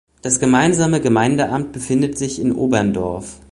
Das gemeinsame Gemeindeamt befindet sich in Oberndorf.